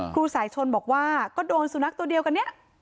ครูสายชนบอกว่าก็โดนสุนัขตัวเดียวกันเนี่ย